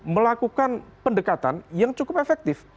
melakukan pendekatan yang cukup efektif